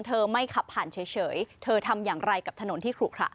ไม่ขับผ่านเฉยเธอทำอย่างไรกับถนนที่ขลุขระ